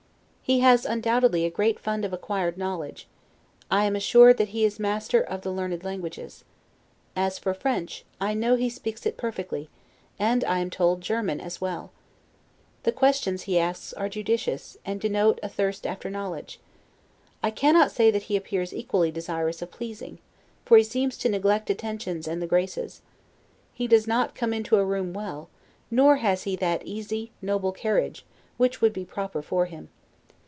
He has, undoubtedly, a great fund of acquired knowledge; I am assured that he is master of the learned languages. As for French, I know he speaks it perfectly, and, I am told, German as well. The questions he asks are judicious; and denote a thirst after knowledge. I cannot say that he appears equally desirous of pleasing, for he seems to neglect attentions and the graces. He does not come into a room well, nor has he that easy, noble carriage, which would be proper for him.